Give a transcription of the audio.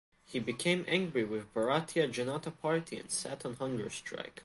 He became angry with Bharatiya Janata Party and sat on hunger strike.